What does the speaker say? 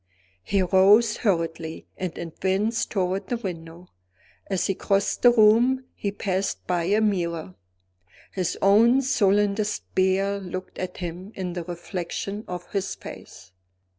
He rose hurriedly, and advanced toward the window. As he crossed the room, he passed by a mirror. His own sullen despair looked at him in the reflection of his face.